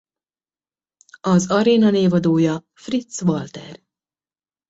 Az aréna névadója Fritz Walter.